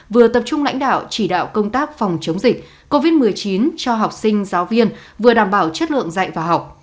vừa tập trung lãnh đạo chỉ đạo công tác phòng chống dịch covid một mươi chín cho học sinh giáo viên vừa đảm bảo chất lượng dạy và học